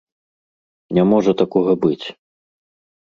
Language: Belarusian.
Не можа такога быць.